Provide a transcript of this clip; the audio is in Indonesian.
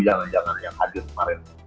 jangan jangan yang hadir kemarin